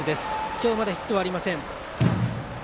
今日、まだヒットありません。